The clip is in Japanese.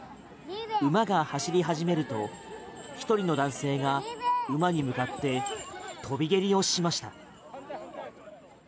馬が走り始めると１人の男性が馬に向かって飛び蹴りをしました。